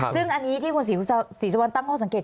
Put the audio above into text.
ซึ่งอันนี้ที่คุณศรีสุวรรณตั้งข้อสังเกต